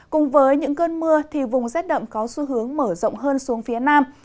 cùng với những cơn mưa vùng rét đậm có xu hướng mở rộng hơn xuống phía nam